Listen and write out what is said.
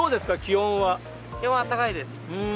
気温はあったかいです。